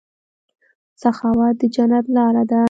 سخاوت د جنت لاره ده.